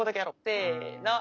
せの。